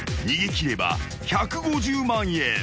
［逃げ切れば１５０万円。